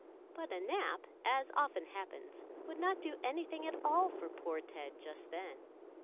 But a nap, as often happens, would not do anything at all for poor Ted just then.